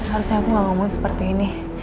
harusnya aku gak ngomong seperti ini